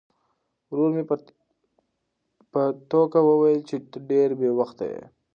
ورور مې په ټوکه وویل چې ته ډېر بې وخته یې.